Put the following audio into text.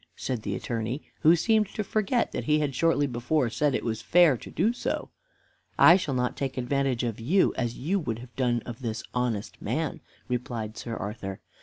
said the Attorney, who seemed to forget that he had shortly before said that it was fair to do so. "I shall not take advantage of you as you would have done of this honest man," replied Sir Arthur.